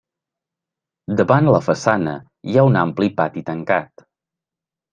Davant la façana hi ha un ampli pati tancat.